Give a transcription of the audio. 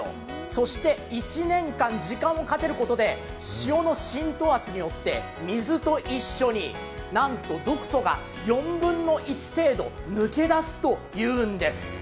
そして１年間、時間をかけることで塩の浸透圧によって水と一緒に、なんと毒素が４分の１程度抜け出すというんです。